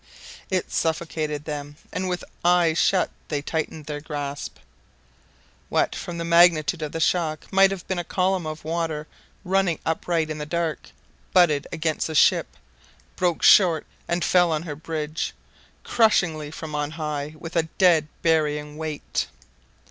It suffocated them, and with eyes shut they tightened their grasp. What from the magnitude of the shock might have been a column of water running upright in the dark, butted against the ship, broke short, and fell on her bridge, crushingly, from on high, with a dead burying weight.